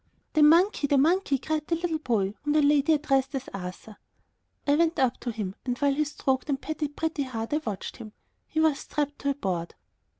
"The monkey! the monkey!" cried the little boy, whom the lady addressed as Arthur. I went up to him and, while he stroked and petted Pretty Heart, I watched him. He was strapped to a board.